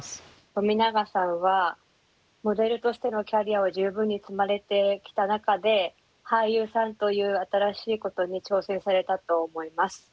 冨永さんはモデルとしてのキャリアを十分に積まれてきた中で俳優さんという新しいことに挑戦されたと思います。